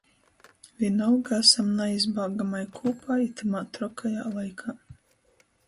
Vīnolga asam naizbāgamai kūpā itymā trokajā laikā...